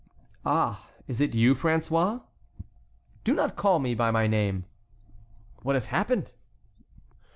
"Ah! is it you, François?" "Do not call me by my name." "What has happened?"